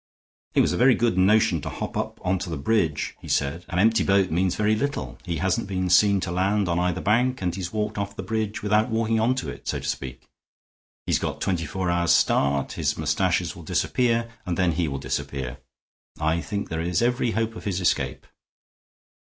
"It was a very good notion to hop up on to the bridge," he said. "An empty boat means very little; he hasn't been seen to land on either bank, and he's walked off the bridge without walking on to it, so to speak. He's got twenty four hours' start; his mustaches will disappear, and then he will disappear. I think there is every hope of his escape."